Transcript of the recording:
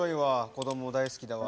子供大好きだわ。